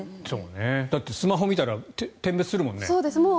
だってスマホを見たら点滅するもんね。